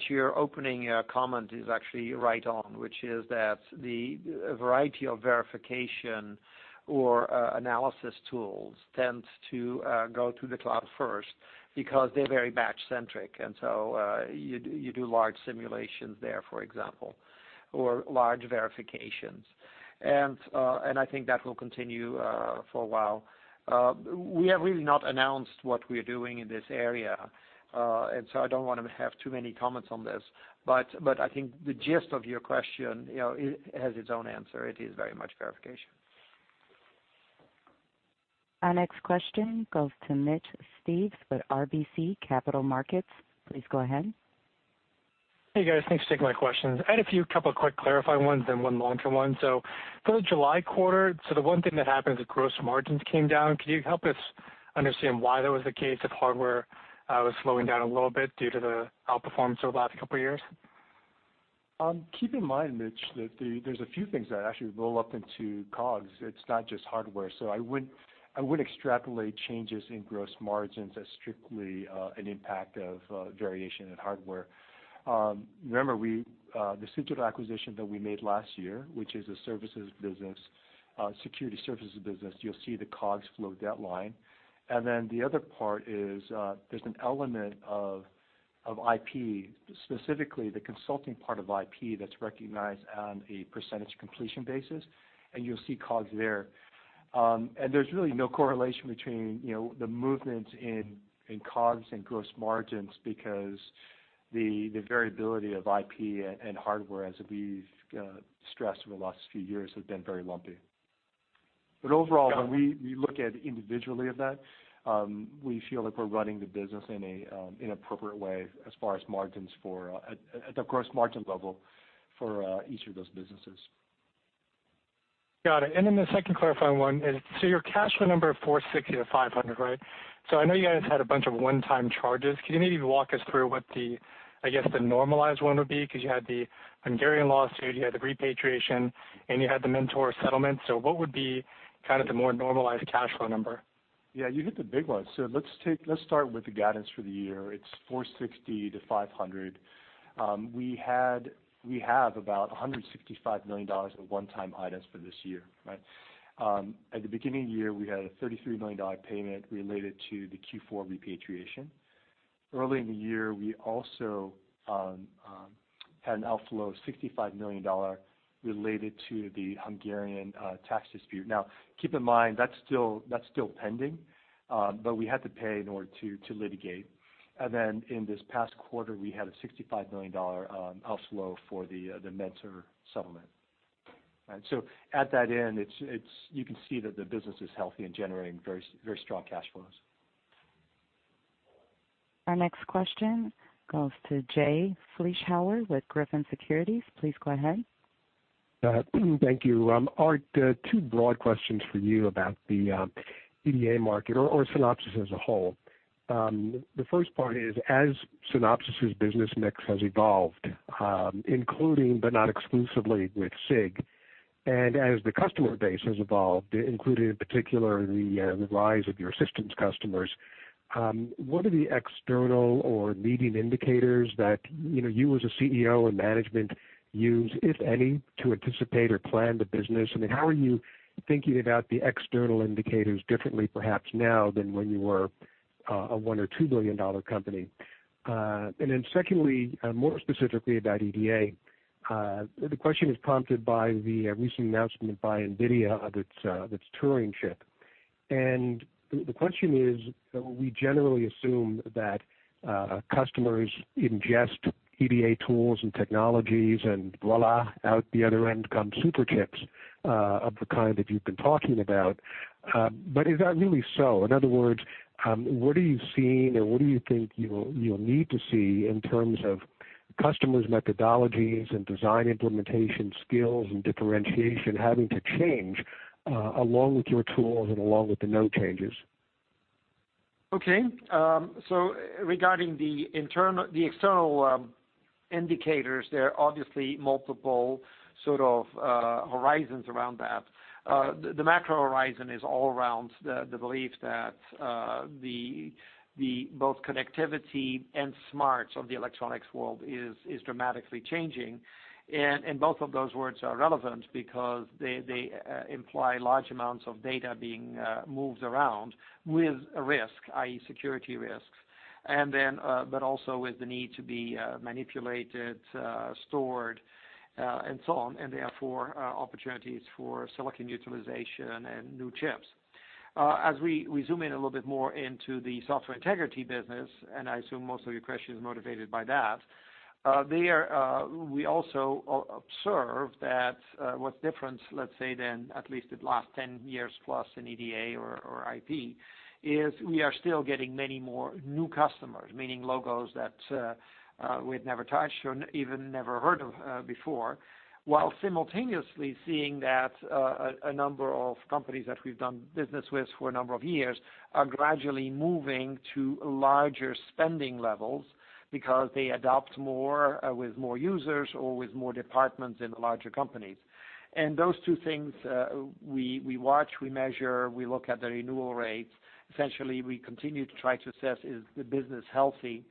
Your opening comment is actually right on, which is that the variety of verification or analysis tools tends to go to the cloud first because they're very batch centric, you do large simulations there, for example, or large verifications. I think that will continue for a while. We have really not announced what we're doing in this area, I don't want to have too many comments on this. I think the gist of your question has its own answer. It is very much verification. Our next question goes to Mitch Steves with RBC Capital Markets. Please go ahead. Hey, guys. Thanks for taking my questions. I had a few, couple quick clarifying ones and one longer one. For the July quarter, so the one thing that happened is the gross margins came down. Can you help us understand why that was the case, if hardware was slowing down a little bit due to the outperformance over the last couple of years? Keep in mind, Mitch, that there's a few things that actually roll up into COGS. It's not just hardware. I wouldn't extrapolate changes in gross margins as strictly an impact of variation in hardware. Remember, the [Sutro] acquisition that we made last year, which is a security services business, you'll see the COGS flow that line. The other part is there's an element of IP, specifically the consulting part of IP that's recognized on a percentage completion basis, and you'll see COGS there. There's really no correlation between the movement in COGS and gross margins because the variability of IP and hardware, as we've stressed over the last few years, have been very lumpy. Overall, when we look at individually of that, we feel like we're running the business in an appropriate way as far as margins for at the gross margin level for each of those businesses. Got it. Then the second clarifying one is, your cash flow number of $460 to $500, right? I know you guys had a bunch of one-time charges. Can you maybe walk us through what the, I guess the normalized one would be? Because you had the Hungarian lawsuit, you had the repatriation, and you had the Mentor settlement. What would be kind of the more normalized cash flow number? Yeah, you hit the big ones. Let's start with the guidance for the year. It's $460 to $500. We have about $165 million of one-time items for this year, right? At the beginning of the year, we had a $33 million payment related to the Q4 repatriation. Early in the year, we also had an outflow of $65 million related to the Hungarian tax dispute. Now, keep in mind, that's still pending, but we had to pay in order to litigate. Then in this past quarter, we had a $65 million outflow for the Mentor settlement, right? Add that in, you can see that the business is healthy and generating very strong cash flows. Our next question goes to Jay Vleeschhouwer with Griffin Securities. Please go ahead. Thank you. Aart, two broad questions for you about the EDA market or Synopsys as a whole. The first part is, as Synopsys' business mix has evolved, including but not exclusively with Cigital, and as the customer base has evolved, including in particular the rise of your systems customers, what are the external or leading indicators that you as a CEO and management use, if any, to anticipate or plan the business? I mean, how are you thinking about the external indicators differently perhaps now than when you were a $1 billion or $2 billion company? Secondly, more specifically about EDA, the question is prompted by the recent announcement by NVIDIA of its Turing chip. The question is, we generally assume that customers ingest EDA tools and technologies, and voila, out the other end come super chips of the kind that you've been talking about. Is that really so? In other words, what are you seeing or what do you think you'll need to see in terms of customers' methodologies and design implementation skills and differentiation having to change along with your tools and along with the node changes? Okay. Regarding the external indicators, there are obviously multiple sort of horizons around that. The macro horizon is all around the belief that both connectivity and smarts of the electronics world is dramatically changing, and both of those words are relevant because they imply large amounts of data being moved around with a risk, i.e., security risks, but also with the need to be manipulated, stored, and so on, therefore opportunities for silicon utilization and new chips. As we zoom in a little bit more into the software integrity business, I assume most of your question is motivated by that, we also observe that what's different, let's say, than at least the last 10 years plus in EDA or IP, is we are still getting many more new customers, meaning logos that we had never touched or even never heard of before, while simultaneously seeing that a number of companies that we've done business with for a number of years are gradually moving to larger spending levels because they adopt more with more users or with more departments in the larger companies. Those two things we watch, we measure, we look at the renewal rates. Essentially, we continue to try to assess, is the business healthy?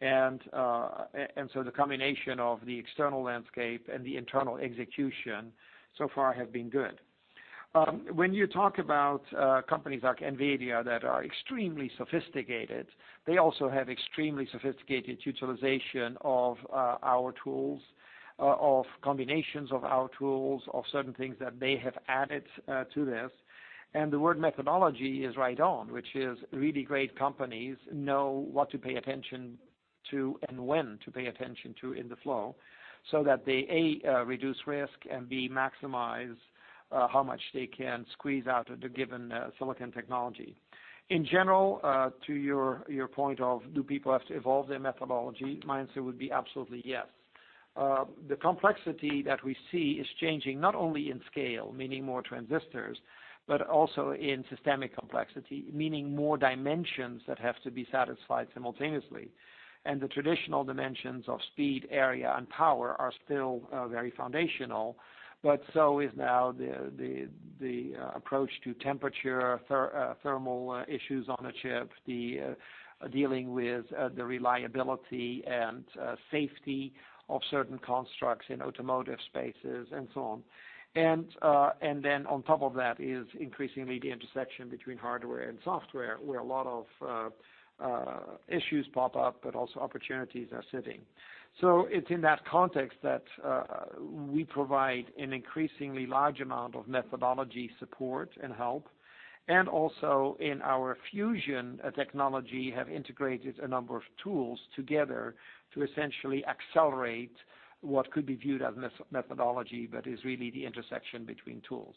The combination of the external landscape and the internal execution so far have been good. When you talk about companies like NVIDIA that are extremely sophisticated, they also have extremely sophisticated utilization of our tools, of combinations of our tools, of certain things that they have added to this. The word methodology is right on, which is really great companies know what to pay attention to and when to pay attention to in the flow, so that they, A, reduce risk and, B, maximize how much they can squeeze out of the given silicon technology. In general, to your point of do people have to evolve their methodology? My answer would be absolutely yes. The complexity that we see is changing not only in scale, meaning more transistors, but also in systemic complexity, meaning more dimensions that have to be satisfied simultaneously. The traditional dimensions of speed, area, and power are still very foundational, but so is now the approach to temperature, thermal issues on a chip, the dealing with the reliability and safety of certain constructs in automotive spaces and so on. Then on top of that is increasingly the intersection between hardware and software, where a lot of issues pop up, but also opportunities are sitting. It's in that context that we provide an increasingly large amount of methodology support and help, and also in our Fusion Compiler have integrated a number of tools together to essentially accelerate what could be viewed as methodology but is really the intersection between tools.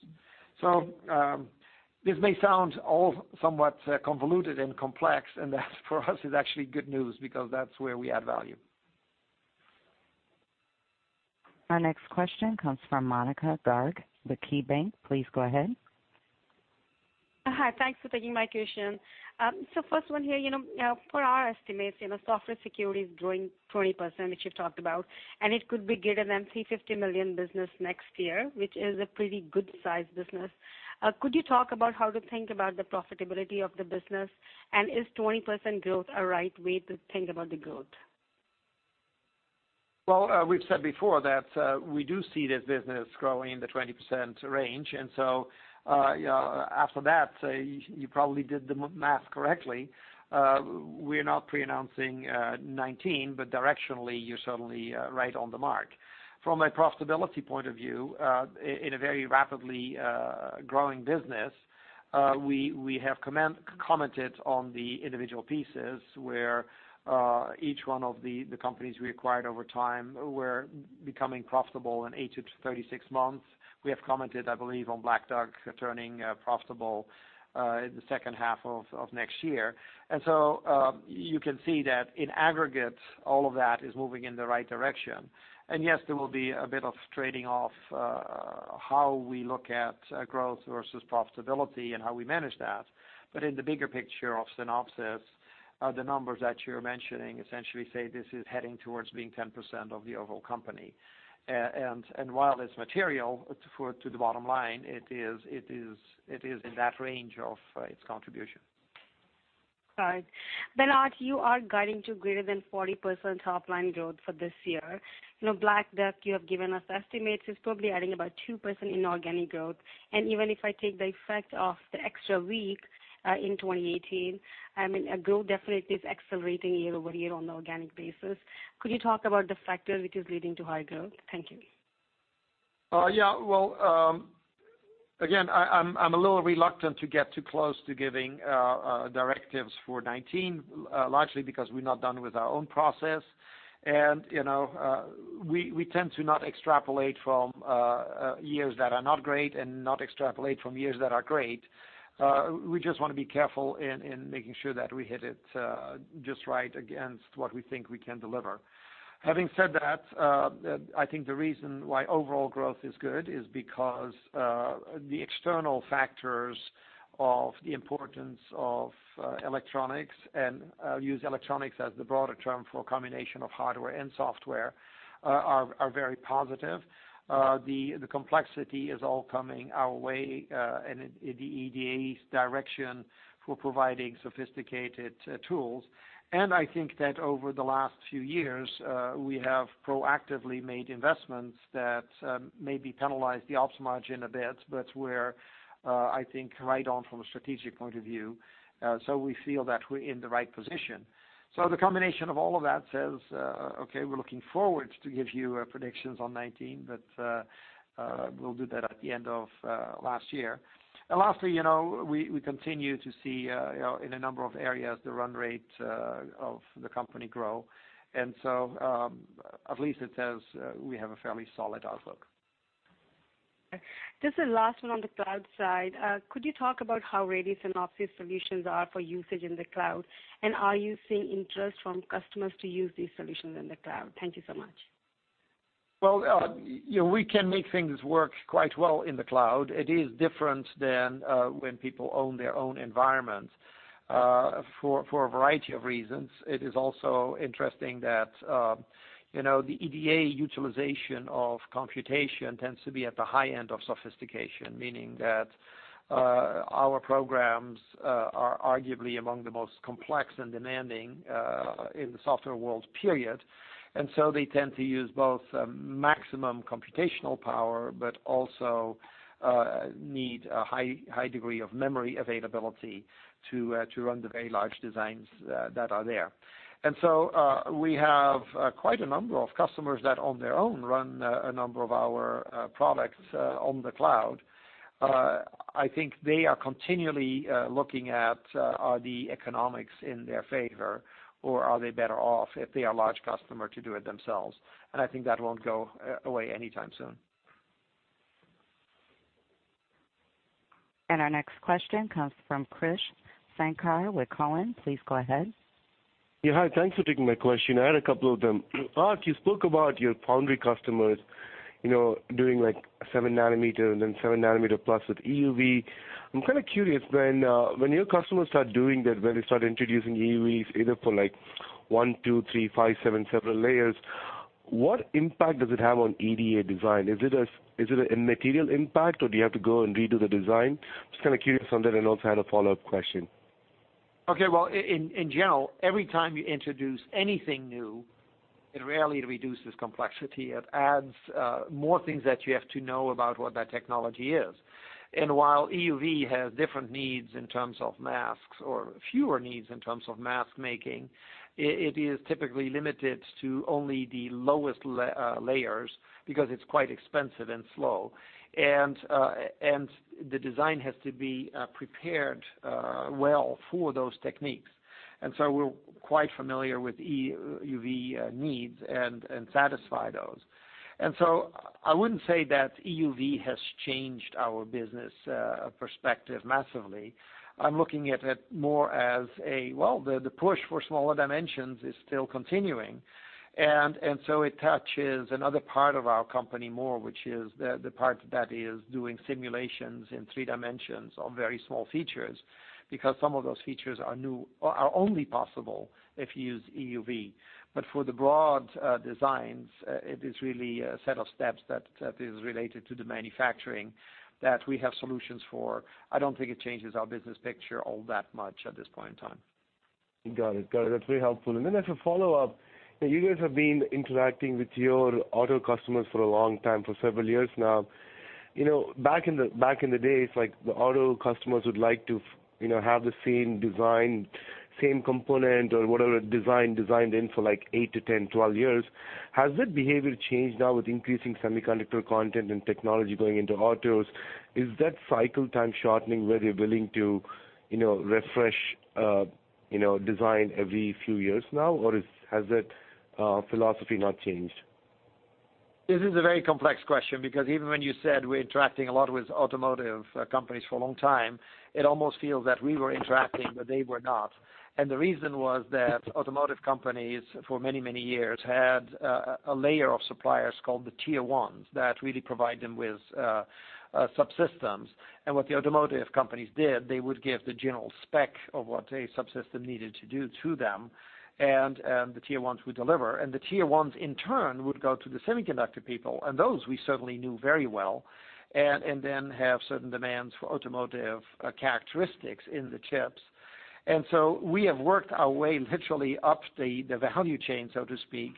This may sound all somewhat convoluted and complex, and that for us is actually good news because that's where we add value. Our next question comes from Monika Garg, the KeyBanc. Please go ahead. Hi, thanks for taking my question. First one here, for our estimates, software security is growing 20%, which you've talked about, and it could be greater than $350 million business next year, which is a pretty good size business. Could you talk about how to think about the profitability of the business? Is 20% growth a right way to think about the growth? Well, we've said before that we do see this business growing in the 20% range. After that, you probably did the math correctly. We're not pre-announcing 2019, but directionally, you're certainly right on the mark. From a profitability point of view, in a very rapidly growing business, we have commented on the individual pieces where each one of the companies we acquired over time were becoming profitable in 8 to 36 months. We have commented, I believe, on Black Duck turning profitable in the second half of next year. You can see that in aggregate, all of that is moving in the right direction. Yes, there will be a bit of trading off how we look at growth versus profitability and how we manage that. In the bigger picture of Synopsys, the numbers that you're mentioning essentially say this is heading towards being 10% of the overall company. While it's material to the bottom line, it is in that range of its contribution. Got it. Aart, you are guiding to greater than 40% top-line growth for this year. Black Duck, you have given us estimates, is probably adding about 2% inorganic growth. Even if I take the effect of the extra week in 2018, growth definitely is accelerating year-over-year on an organic basis. Could you talk about the factor which is leading to high growth? Thank you. Well, again, I'm a little reluctant to get too close to giving directives for 2019, largely because we're not done with our own process. We tend to not extrapolate from years that are not great and not extrapolate from years that are great. We just want to be careful in making sure that we hit it just right against what we think we can deliver. Having said that, I think the reason why overall growth is good is because the external factors of the importance of electronics and use electronics as the broader term for a combination of hardware and software are very positive. The complexity is all coming our way and in the EDA's direction for providing sophisticated tools. I think that over the last few years, we have proactively made investments that maybe penalize the ops margin a bit, but we're, I think, right on from a strategic point of view. We feel that we're in the right position. The combination of all of that says, okay, we're looking forward to give you predictions on 2019, but we'll do that at the end of last year. Lastly, we continue to see in a number of areas, the run rate of the company grow. At least it says we have a fairly solid outlook. Just the last one on the cloud side. Could you talk about how ready Synopsys solutions are for usage in the cloud? Are you seeing interest from customers to use these solutions in the cloud? Thank you so much. Well, we can make things work quite well in the cloud. It is different than when people own their own environment for a variety of reasons. It is also interesting that The EDA utilization of computation tends to be at the high end of sophistication, meaning that our programs are arguably among the most complex and demanding in the software world, period. They tend to use both maximum computational power, but also need a high degree of memory availability to run the very large designs that are there. We have quite a number of customers that on their own run a number of our products on the cloud. I think they are continually looking at, are the economics in their favor, or are they better off if they are large customer to do it themselves? I think that won't go away anytime soon. Our next question comes from Krish Sankar with Cowen. Please go ahead. Yeah. Hi, thanks for taking my question. I had a couple of them. Aart, you spoke about your foundry customers doing seven nanometer and then seven nanometer plus with EUV. I'm kind of curious, when your customers start doing that, when they start introducing EUVs either for one, two, three, five, seven, several layers, what impact does it have on EDA design? Is it a material impact, or do you have to go and redo the design? Just kind of curious on that, and also had a follow-up question. Okay. Well, in general, every time you introduce anything new, it rarely reduces complexity. It adds more things that you have to know about what that technology is. While EUV has different needs in terms of masks or fewer needs in terms of mask making, it is typically limited to only the lowest layers because it's quite expensive and slow. The design has to be prepared well for those techniques. So we're quite familiar with EUV needs and satisfy those. So I wouldn't say that EUV has changed our business perspective massively. I'm looking at it more as a, well, the push for smaller dimensions is still continuing. So it touches another part of our company more, which is the part that is doing simulations in three dimensions of very small features, because some of those features are only possible if you use EUV. For the broad designs, it is really a set of steps that is related to the manufacturing that we have solutions for. I don't think it changes our business picture all that much at this point in time. Got it. That's very helpful. As a follow-up, you guys have been interacting with your auto customers for a long time, for several years now. Back in the days, the auto customers would like to have the same design, same component or whatever design designed in for eight to 10, 12 years. Has that behavior changed now with increasing semiconductor content and technology going into autos? Is that cycle time shortening where they're willing to refresh design every few years now, or has that philosophy not changed? This is a very complex question because even when you said we're interacting a lot with automotive companies for a long time, it almost feels that we were interacting, but they were not. The reason was that automotive companies, for many, many years, had a layer of suppliers called the tier 1s that really provide them with subsystems. What the automotive companies did, they would give the general spec of what a subsystem needed to do to them, and the tier 1s would deliver. The tier 1s in turn would go to the semiconductor people, and those we certainly knew very well, and then have certain demands for automotive characteristics in the chips. So we have worked our way literally up the value chain, so to speak.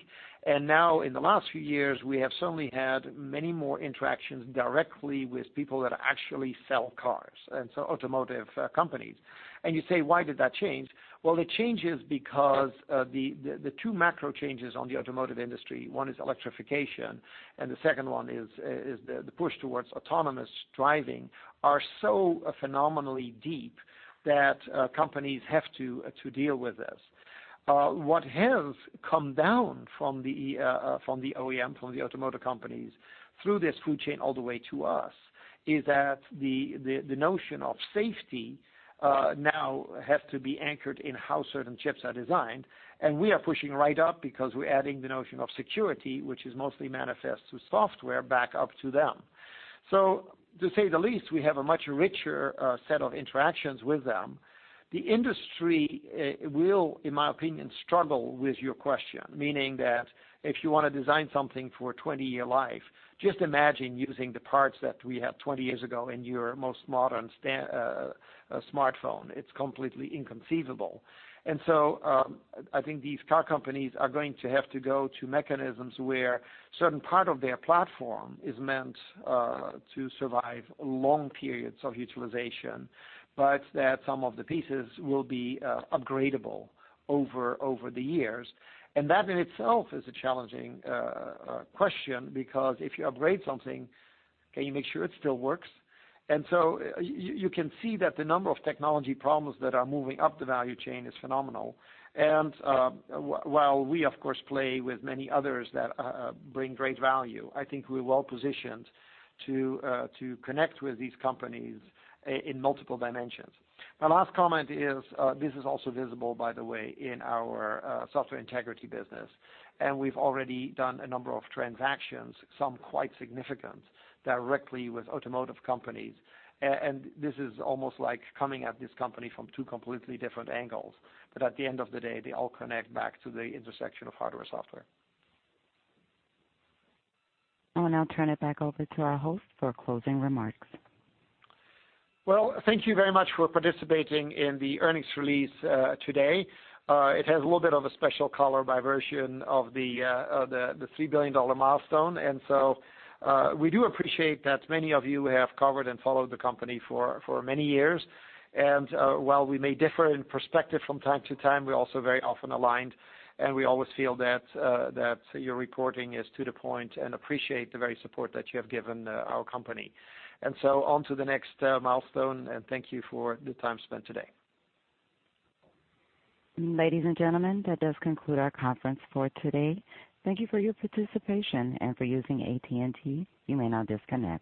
Now in the last few years, we have certainly had many more interactions directly with people that actually sell cars, and so automotive companies. You say, why did that change? Well, it changes because the two macro changes on the automotive industry, one is electrification, and the second one is the push towards autonomous driving are so phenomenally deep that companies have to deal with this. What has come down from the OEM, from the automotive companies through this food chain all the way to us, is that the notion of safety now has to be anchored in how certain chips are designed, and we are pushing right up because we're adding the notion of security, which is mostly manifest through software back up to them. To say the least, we have a much richer set of interactions with them. The industry will, in my opinion, struggle with your question, meaning that if you want to design something for a 20-year life, just imagine using the parts that we had 20 years ago in your most modern smartphone. It's completely inconceivable. So, I think these car companies are going to have to go to mechanisms where certain part of their platform is meant to survive long periods of utilization, but that some of the pieces will be upgradable over the years. That in itself is a challenging question because if you upgrade something, can you make sure it still works? So you can see that the number of technology problems that are moving up the value chain is phenomenal. While we of course play with many others that bring great value, I think we're well-positioned to connect with these companies in multiple dimensions. My last comment is, this is also visible, by the way, in our Software Integrity Business. We've already done a number of transactions, some quite significant directly with automotive companies. This is almost like coming at this company from two completely different angles. At the end of the day, they all connect back to the intersection of hardware, software. I will now turn it back over to our host for closing remarks. Well, thank you very much for participating in the earnings release today. It has a little bit of a special color by version of the $3 billion milestone. We do appreciate that many of you have covered and followed the company for many years. While we may differ in perspective from time to time, we're also very often aligned, and we always feel that your reporting is to the point and appreciate the very support that you have given our company. On to the next milestone, and thank you for the time spent today. Ladies and gentlemen, that does conclude our conference for today. Thank you for your participation and for using AT&T. You may now disconnect.